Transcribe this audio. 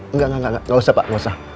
enggak gak gak gak usah pak gak usah